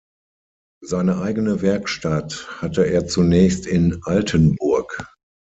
Seine eigene Werkstatt hatte er zunächst in Altenburg.